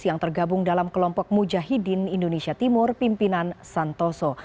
yang tergabung dalam kelompok mujahidin indonesia timur pimpinan santoso